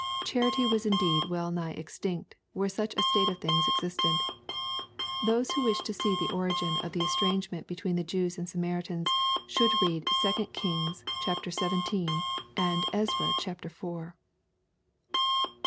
Charity was indeed well nigh extinct, where such a state of things existed. Those who wish to see the origin of the estrangement between the Jews and Samari tans, should read 2 Kings xvii. ; and Ezra iv.